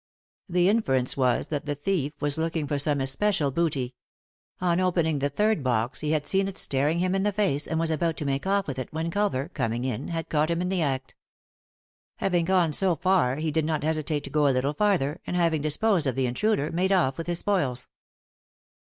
The inference was that the thief was looking for some especial booty ; on opening the third box he had seen it staring him in the face, and was about to make off with it when Culver, coming in, had caught him in the act. Having gone so far he did not hesitate to go a little farther, and, having disposed of the intruder, made off with his spoils.